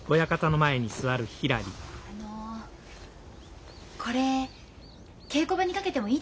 あのこれ稽古場に掛けてもいいですか？